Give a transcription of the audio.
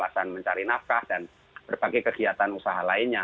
alasan mencari nafkah dan berbagai kegiatan usaha lainnya